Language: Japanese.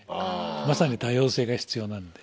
まさに多様性が必要なんで。